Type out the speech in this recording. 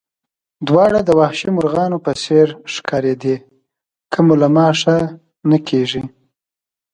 دواړه د وحشي مرغانو په څېر ښکارېدې، که مو له ما ښه نه کېږي.